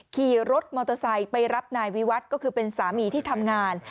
ขี่รถมอเตอร์ไซค์ไปรับนายวิวัฒน์ก็คือเป็นสามีที่ทำงาน